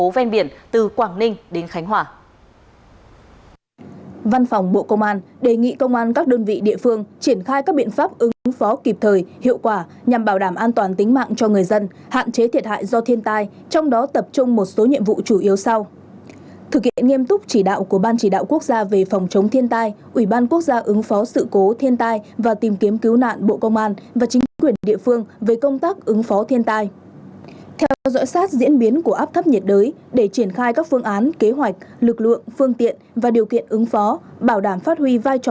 vị địa phương triển khai các biện pháp ứng phó kịp thời hiệu quả nhằm bảo đảm an toàn tính mạng cho người dân hạn chế thiệt hại do thiên tai trong đó tập trung một số nhiệm vụ chủ yếu sau thực hiện nghiêm túc chỉ đạo của ban chỉ đạo quốc gia về phòng chống thiên tai ủy ban quốc gia ứng phó sự cố thiên tai và tìm kiếm cứu nạn bộ công an và chính quyền địa phương với công tác ứng phó thiên tai theo dõi sát diễn biến của áp thấp nhiệt đới để triển khai các phương án kế hoạch lực lượng phương tiện và điều kiện ứng phó bảo đảm ph